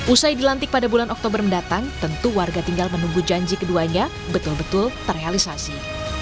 usai dilantik pada bulan oktober mendatang tentu warga tinggal menunggu janji keduanya betul betul terrealisasi